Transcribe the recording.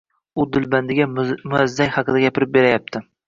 U dilbandiga muzayyan haqida gapirib berayapti